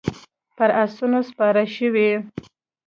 پر اسونو سپارې شوې.